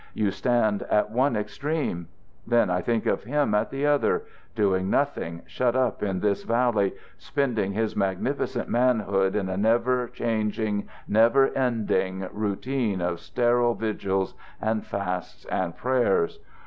You stand at one extreme. Then I think of him at the other doing nothing, shut up in this valley, spending his magnificent manhood in a never changing, never ending routine of sterile vigils and fasts and prayers.